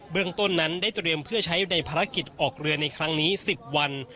เรื่องต้นนั้นได้เตรียมเพื่อใช้ในภารกิจออกเรือในครั้งนี้๑๐วัน